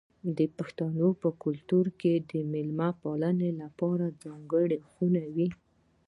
د پښتنو په کلتور کې د میلمه پالنې لپاره ځانګړې خونه وي.